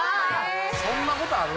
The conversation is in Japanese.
そんなことある？